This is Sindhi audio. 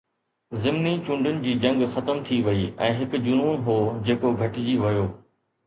ضمني چونڊن جي جنگ ختم ٿي وئي ۽ هڪ جنون هو جيڪو گهٽجي ويو.